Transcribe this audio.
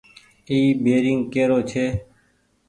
اي بيرينگ ڪي رو ڇي ۔